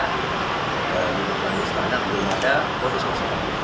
di pondok istana belum ada posisi seperti itu